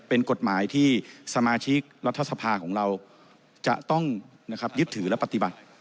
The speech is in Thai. เป็นกฎหมายที่สมาชิกรัฐสภาของเราจะต้องยึดถือและปฏิบัติ